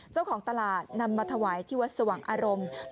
เจ้าของตลาดนำมาถวายที่วัดสว่างอารมณ์